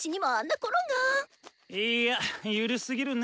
いやゆるすぎるネ。